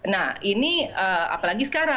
nah ini apalagi sekarang